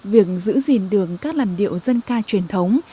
việc giữ gìn đường các làn điệu dân ca truyền thống